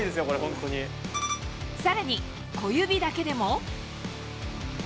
さらに、小指だけでも。